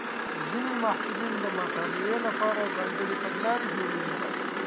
ځینې محصلین د مطالعې لپاره ځانګړې تګلارې جوړوي.